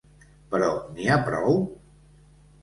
Però n’hi ha prou?